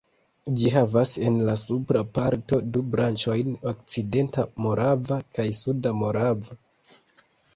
Ĝi havas en la supra parto du branĉojn, Okcidenta Morava kaj Suda Morava.